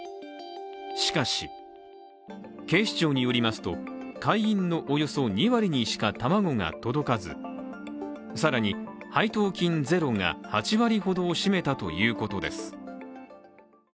しかし、警視庁によりますと、会員のおよそ２割にしか卵が届かず更に配当金ゼロが８割ほどを占めたということです。